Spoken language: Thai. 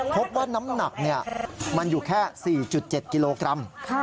พบว่าน้ำหนักมันอยู่แค่๔๗กิโลกรัม